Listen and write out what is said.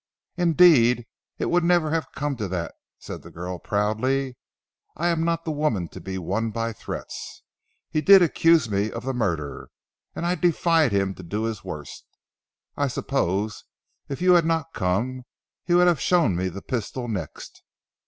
"Indeed it would never have come to that," said the girl proudly. "I am not the woman to be won by threats. He did accuse me of the murder, and I defied him to do his worst. I suppose if you had not come, he would have shown me the pistol next.